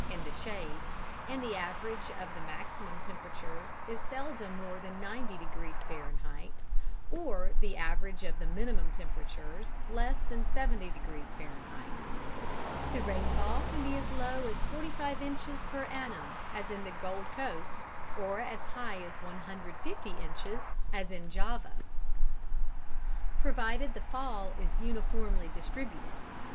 in the shade, and the average of the maximum temperatures is seldom more than 90 degrees F., or the average of the minimum temperatures less than 70 degrees F. The rainfall can be as low as 45 inches per annum, as in the Gold Coast, or as high as 150 inches, as in Java, provided the fall is uniformly distributed.